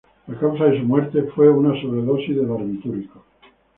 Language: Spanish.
La causa de su muerte fue una sobredosis de barbitúricos.